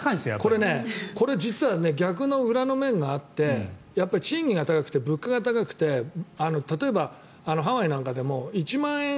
これ、逆の裏の面があって賃金が高くて物価が高くて例えばハワイなんかでも１万円